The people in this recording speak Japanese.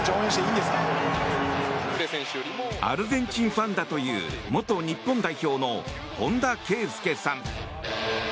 アルゼンチンファンだという元日本代表の本田圭佑さん。